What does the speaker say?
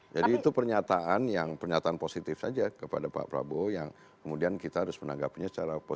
jadi itu pernyataan yang pernyataan positif saja kepada pak prabowo yang kemudian kita harus menanggapnya secara positif juga